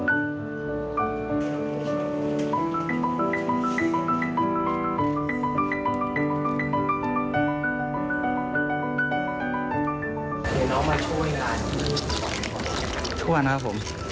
มาช่วยงานทุกวันครับ